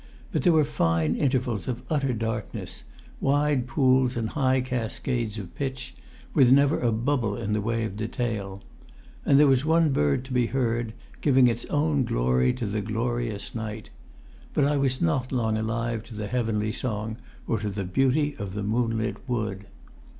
But there were fine intervals of utter darkness, wide pools and high cascades of pitch, with never a bubble in the way of detail. And there was one bird to be heard, giving its own glory to the glorious night. But I was not long alive to the heavenly song, or to the beauty of the moonlit wood.